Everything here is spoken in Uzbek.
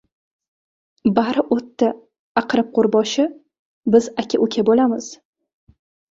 — Bari o‘tdi, Aqrab qo‘rboshi, biz aka-uka bo‘lamiz.